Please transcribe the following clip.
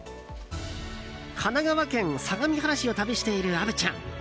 神奈川県相模原市を旅している虻ちゃん。